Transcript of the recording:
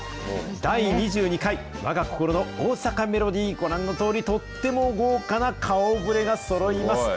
第２２回わが心の大阪メロディー、ご覧のとおり、とっても豪華な顔ぶれがそろいます。